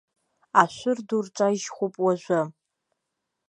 Ашәыр ду рҿажьхуп уажәы.